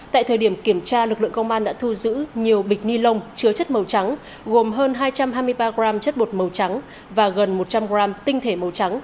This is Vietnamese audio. tại thời điểm kiểm tra lực lượng công an đã thu giữ nhiều bịch ni lông chứa chất màu trắng gồm hơn hai trăm hai mươi ba g chất bột màu trắng và gần một trăm linh g tinh thể màu trắng